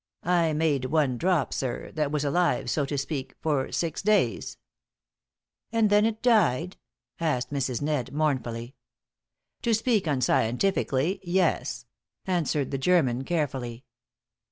I made one drop, sir, that was alive, so to speak, for six days." "And then it died?" asked Mrs. "Ned," mournfully. "To speak unscientifically, yes," answered the German, carefully.